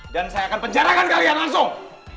dan saya akan penjarakan kalian langsung